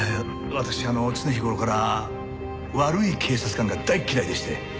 私常日頃から悪い警察官が大嫌いでして。